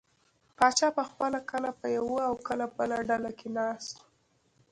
پاچا به پخپله کله په یوه او کله بله ډله کې ناست و.